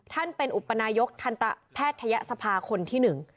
ท่านเป็นอุปนายกทันตแพทยศภาคนที่หนึ่ง